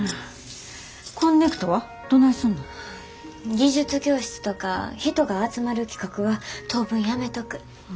技術教室とか人が集まる企画は当分やめとく。